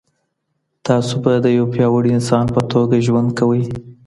تاسو به د یو پیاوړي انسان په توګه ژوند کوئ.